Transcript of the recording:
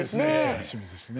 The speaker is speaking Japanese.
楽しみですね。